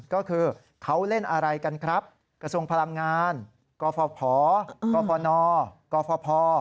ก็คือเขาเล่นอะไรกันครับกระทรวงพลังงานกฟภกฟนกฟภ